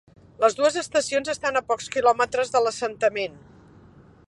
Les dues estacions estan a pocs quilòmetres de l’assentament.